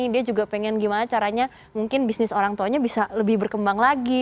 dia juga pengen gimana caranya mungkin bisnis orang tuanya bisa lebih berkembang lagi